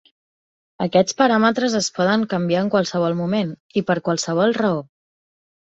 Aquests paràmetres es poden canviar en qualsevol moment i per qualsevol raó.